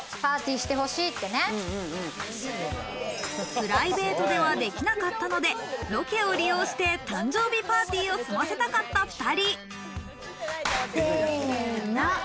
プライベートではできなかったので、ロケを利用して誕生日パーティーを済ませたかった２人。